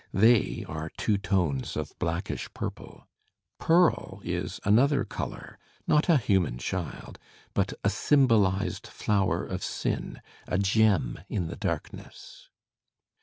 They are two tones of blackish purple. Pearl is another colour, not a himian child, but a symboUzed flower of sin, a gem in the darkness.